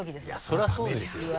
それはそうですよ。